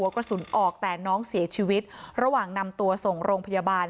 กระสุนออกแต่น้องเสียชีวิตระหว่างนำตัวส่งโรงพยาบาล